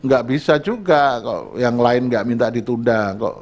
gak bisa juga kok yang lain gak minta ditunda